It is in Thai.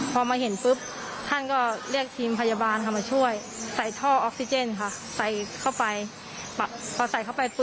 พอมาเห็นท่านก็เรียกพยาบาลมาช่วยเขาก็ใส่ช่องเข้าไป